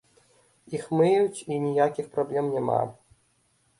Іх мыюць і ніякіх праблем няма.